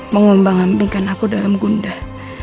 mengumbang ambingkan aku dalam gunda